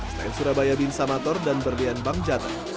selain surabaya insamator dan berlian bang jateng